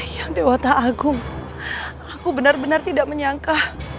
yang dewata agung aku benar benar tidak menyangka